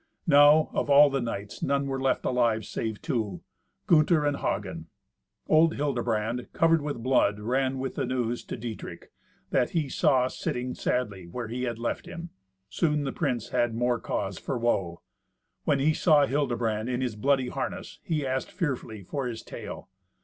Now, of all the knights, none were left alive save two, Gunther and Hagen. Old Hildebrand, covered with blood, ran with the news to Dietrich, that he saw sitting sadly where he had left him. Soon the prince had more cause for woe. When he saw Hildebrand in his bloody harness, he asked fearfully for his tale.